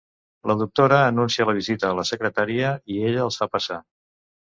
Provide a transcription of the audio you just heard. La doctora anuncia la visita a la secretària i ella els fa passar.